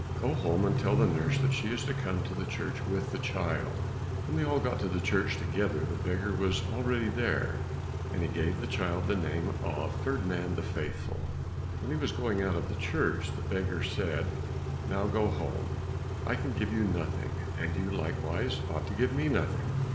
Go home and tell the nurse that she is to come to the church with the child." When they all got to the church together, the beggar was already there, and he gave the child the name of Ferdinand the Faithful. When he was going out of the church, the beggar said, "Now go home, I can give you nothing, and you likewise ought to give me nothing."